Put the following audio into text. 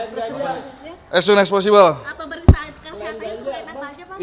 ya itu kan memang eksposisi